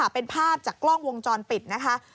เป็นภาพจากกล้องวงจรปิดนะคะ